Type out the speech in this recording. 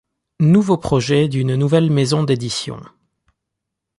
Nouveau projet d’une nouvelle maison d’édition.